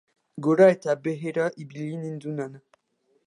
Gora eta behera ibili nindunan.